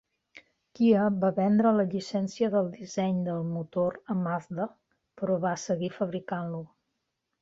Kia va vendre la llicència del disseny del motor a Mazda, però va seguir fabricant-lo.